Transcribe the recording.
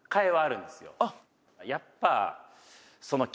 「やっぱ」